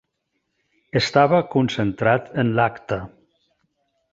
Estava concentrat en l'acte.